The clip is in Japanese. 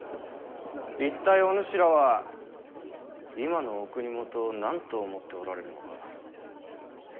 一体お主らは今のお国元を何と思っておられるのか？